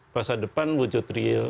masa depan wujud real